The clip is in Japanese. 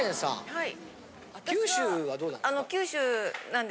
はい。